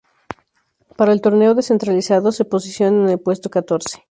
Para el Torneo Descentralizado, se posiciona en el puesto catorce.